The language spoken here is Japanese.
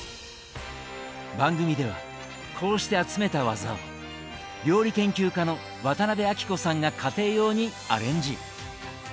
番組ではこうして集めたワザを料理研究家の渡辺あきこさんが家庭用にアレンジ。